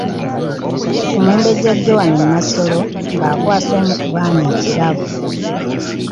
Omumbejja Joan Nassolo nga akwasa omu ku baana ekirabo.